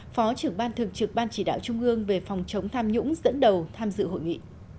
phó trưởng ban thường trực ban chỉ đạo trung ương về phòng chống tham nhũng dẫn đầu tham dự hội nghị